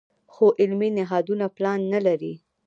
خو علمي نهادونه پلان نه لري.